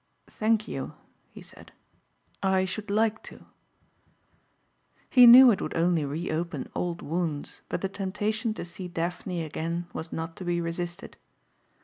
"Thank you," he said, "I should like to." He knew it would only reopen old wounds but the temptation to see Daphne again was not to be resisted.